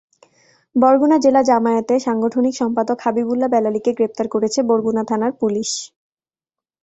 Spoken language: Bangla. বরগুনা জেলা জামায়াতের সাংগঠনিক সম্পাদক হাবিবুল্লাহ বেলালীকে গ্রেপ্তার করেছে বরগুনা থানার পুলিশ।